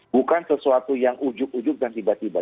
bukan sesuatu yang ujuk ujug dan tiba tiba